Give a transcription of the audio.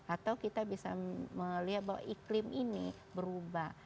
atau kita bisa melihat bahwa iklim ini berubah